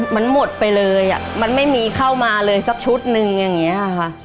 มันหมดไปเลยอ่ะมันไม่มีเข้ามาเลยสักชุดนึงอย่างนี้ค่ะ